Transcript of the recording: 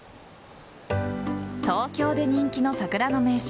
東京で人気の桜の名所